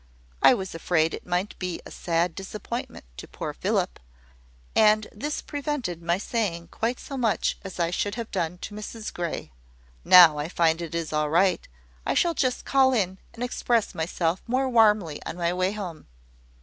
I was afraid it might be a sad disappointment to poor Philip; and this prevented my saying quite so much as I should have done to Mrs Grey. Now I find it is all right, I shall just call in, and express myself more warmly on my way home."